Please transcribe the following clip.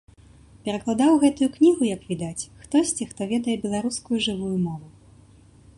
Перакладаў гэтую кнігу, як відаць, хтосьці, хто ведае беларускую жывую мову.